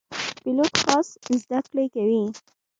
پیلوټ خاص زده کړې کوي.